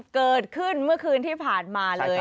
เกิดขึ้นเมื่อคืนที่ผ่านมาเลย